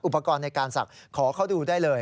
อุปกรณ์ในการศักดิ์ขอเขาดูได้เลย